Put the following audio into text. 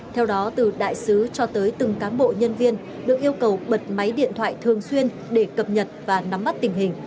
theo đó từ đại sứ cho tới từng cán bộ nhân viên được yêu cầu bật máy điện thoại thường xuyên để cập nhật và nắm bắt tình hình